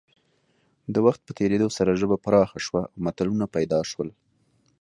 د وخت په تېرېدو سره ژبه پراخه شوه او متلونه پیدا شول